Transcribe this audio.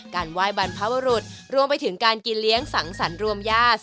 ไหว้บรรพบรุษรวมไปถึงการกินเลี้ยงสังสรรค์รวมญาติ